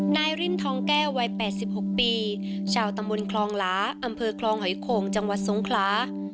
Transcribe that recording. ริ่นทองแก้ววัย๘๖ปีชาวตำบลคลองหลาอำเภอคลองหอยโข่งจังหวัดสงขลา